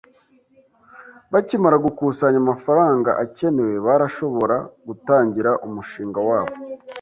Bakimara gukusanya amafaranga akenewe, barashobora gutangira umushinga wabo.